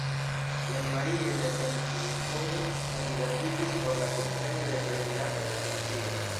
Jean-Marie Le Pen kvinfoje kandidatiĝis por la posteno de Prezidanto de Francio.